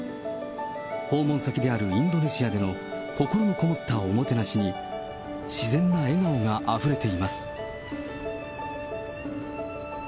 訪問先であるインドネシアでの心のこもったおもてなしに、自然な笑顔があふれています。